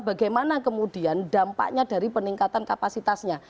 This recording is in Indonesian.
bagaimana kemudian dampaknya dari peningkatan kapasitasnya